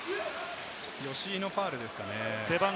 吉井のファウルですかね。